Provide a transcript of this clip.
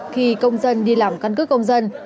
khi công dân đi làm căn cước công dân